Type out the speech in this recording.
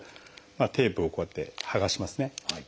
テープをこうやってはがしますね。